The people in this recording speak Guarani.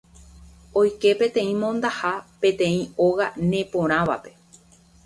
Oike peteĩ mondaha peteĩ óga neporãvape